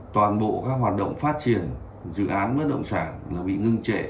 toàn bộ các hoạt động phát triển dự án bất động sản là bị ngưng trệ